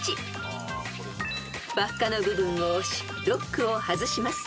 ［輪っかの部分を押しロックを外します］